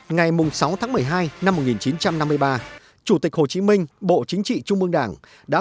ngày sáu tháng một mươi hai năm một nghìn chín trăm năm mươi ba chủ tịch hồ chí minh bộ chính trị trung mương đảng